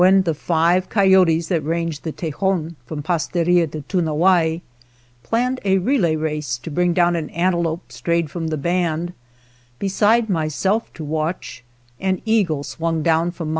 When the five coyotes that range the Te jon from Pasteria to Tunawai planned a relay race to bring down an antelope strayed from the band, beside myself to watch, an eagle swung down from Mt.